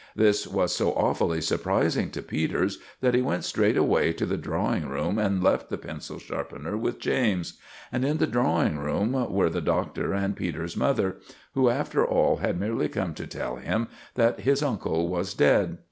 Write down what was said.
This was so awfully surprising to Peters that he went straight away to the drawing room and left the pencil sharpener with James; and in the drawing room were the Doctor and Peters's mother, who, after all, had merely come to tell him that his uncle was dead.